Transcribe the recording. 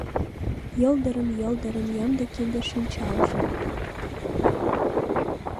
Йылдырым-йылдырым ямде кинде-шинчалжым